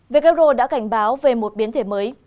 who đã cảnh báo về một biến thể mới